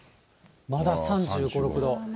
まだ３５、６度。